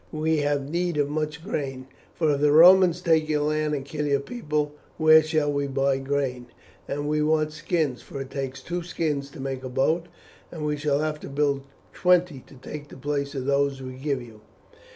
"We have need of much grain, for if the Romans take your land and kill your people, where shall we buy grain? And we want skins, for it takes two skins to make a boat, and we shall have to build twenty to take the place of those we give you."